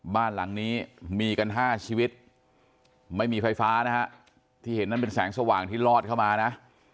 บ้านหลังนี้มีกัน๕ชีวิตไม่มีไฟฟ้านะฮะที่เห็นนั้นเป็นแสงสว่างที่ลอดเข้ามานะ